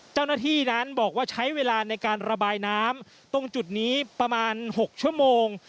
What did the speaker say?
เจ้าหน้าที่นั้นบอกว่าใช้เวลาในการระบายน้ำตรงจุดนี้ประมาณ๖ชั่วโมง